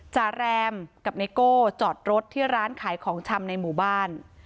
จาแรมกับไนโก้จอดรถที่ร้านขายของชำในหมู่บ้าน